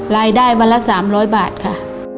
รายได้วันละ๓๐๐บาทค่ะ